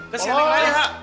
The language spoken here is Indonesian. kasih alih ke ayah